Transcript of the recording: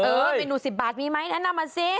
เมนู๑๐บาทมีไหมแนะนำมาสิ